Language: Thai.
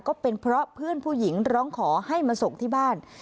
ก็เป็นเพราะเพื่อนผู้หญิงร้องขอให้มาส่งที่บ้าน